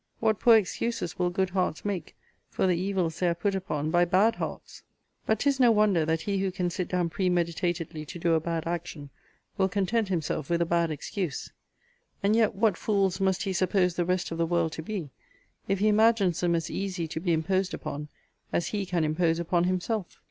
What poor excuses will good hearts make for the evils they are put upon by bad hearts! But 'tis no wonder that he who can sit down premeditatedly to do a bad action, will content himself with a bad excuse: and yet what fools must he suppose the rest of the world to be, if he imagines them as easy to be imposed upon as he can impose upon himself?